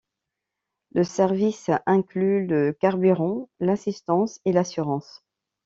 Le service inclut le carburant, l'assistance et l'assurance.